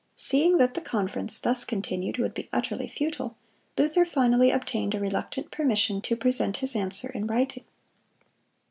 Seeing that the conference, thus continued, would be utterly futile, Luther finally obtained a reluctant permission to present his answer in writing.